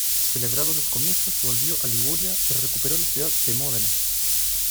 Celebrados los comicios, volvió a Liguria y recuperó la ciudad de Módena.